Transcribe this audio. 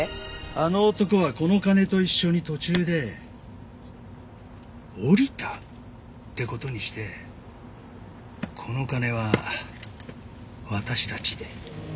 あの男はこの金と一緒に途中で降りたって事にしてこの金は私たちで。